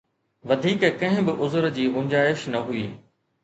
وڌيڪ ڪنهن به عذر جي گنجائش نه هئي.